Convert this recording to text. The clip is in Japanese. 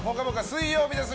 水曜日です。